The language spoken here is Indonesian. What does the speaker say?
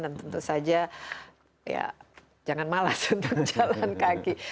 dan tentu saja ya jangan malas untuk jalan kaki